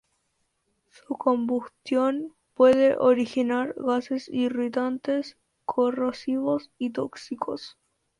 Su combustión puede originar gases irritantes, corrosivos y tóxicos.